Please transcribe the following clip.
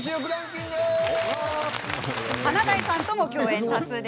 華大さんとも共演多数。